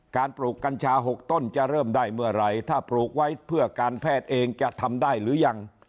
ปลูกกัญชา๖ต้นจะเริ่มได้เมื่อไหร่ถ้าปลูกไว้เพื่อการแพทย์เองจะทำได้หรือยัง